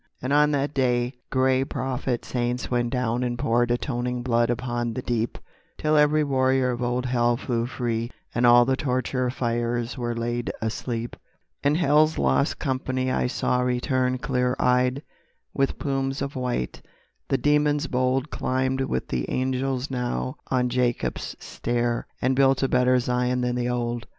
And on that day gray prophet saints went down And poured atoning blood upon the deep, Till every warrior of old Hell flew free And all the torture fires were laid asleep. And Hell's lost company I saw return Clear eyed, with plumes of white, the demons bold Climbed with the angels now on Jacob's stair, And built a better Zion than the old. ..